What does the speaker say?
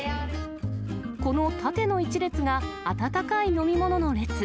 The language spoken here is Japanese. この縦の１列が温かい飲み物の列。